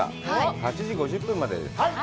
８時５０分までです。